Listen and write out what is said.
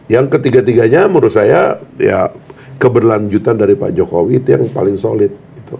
yang ketiga tiganya menurut saya ya keberlanjutan dari pak jokowi itu yang paling solid